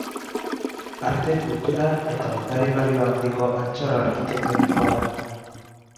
Arte, kultura eta ondare-balio handiko altxor arkitektonikoa da.